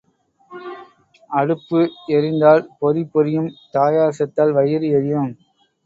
அடுப்பு எரிந்தால் பொரி பொரியும் தாயார் செத்தால் வயிறு எரியும்.